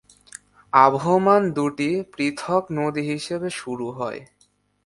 Avon দুটি পৃথক নদী হিসাবে শুরু হয়।